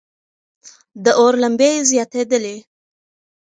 د اور لمبې زیاتېدلې.